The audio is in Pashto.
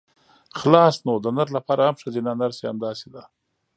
خلاص نو د نر لپاره هم ښځينه نرسه همداسې ده.